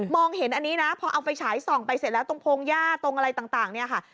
เห็นอันนี้นะพอเอาไฟฉายส่องไปเสร็จแล้วตรงโพงหญ้าตรงอะไรต่างเนี่ยค่ะ